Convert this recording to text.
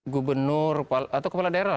gubernur atau kepala daerah